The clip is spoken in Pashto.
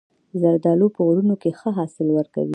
زردالو په غرونو کې ښه حاصل ورکوي.